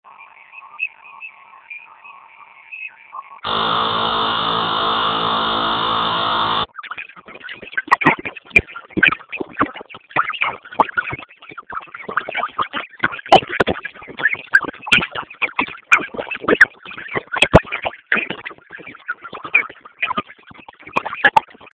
خو عدالت یو نسبي مفهوم دی.